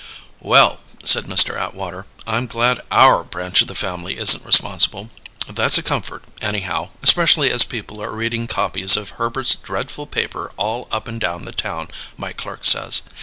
"Well," said Mr. Atwater, "I'm glad our branch of the family isn't responsible. That's a comfort, anyhow, especially as people are reading copies of Herbert's dreadful paper all up and down the town, my clerk says.